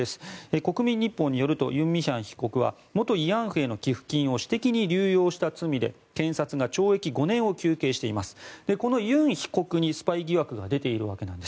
国民日報によるとユン・ミヒャン被告は元慰安婦の寄付金を私的に流用した罪で検察が懲役５年を求刑していますこのユン被告にスパイ疑惑が出ているわけです。